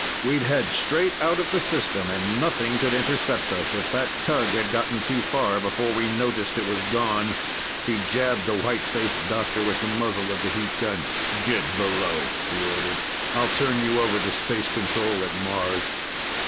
We'd head straight out of the system, and nothing could intercept us, if that tug had gotten too far before we noticed it was gone." He jabbed the white faced doctor with the muzzle of the heat gun. "Get below," he ordered. "I'll turn you over to Space Control at Mars."